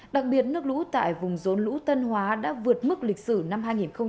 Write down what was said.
đặc biệt nước lũ tại vùng rốn lũ tân hóa đã vượt mức lịch sử năm hai nghìn một mươi sáu